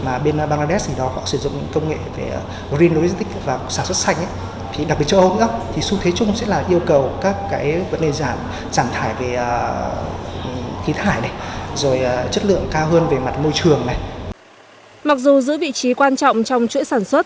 mặc dù giữ vị trí quan trọng trong chuỗi sản xuất